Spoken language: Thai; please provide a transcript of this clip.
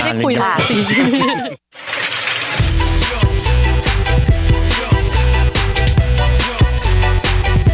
นี่ก็ไม่ได้คุยล่ะสิ